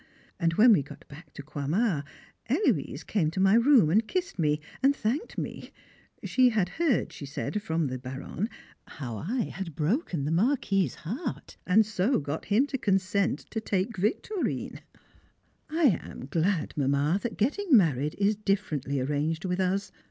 And when we got back to Croixmare, Héloise came to my room and kissed me, and thanked me; she had heard, she said, from the Baronne, how I had broken the Marquis's heart, and so got him to consent to take Victorine! I am glad, Mamma, that getting married is differently arranged with us.